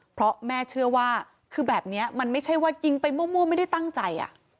เพราะแม่เชื่อว่าคือแบบนี้มันไม่ใช่ว่ายิงไปมั่วไม่ได้ตั้งใจ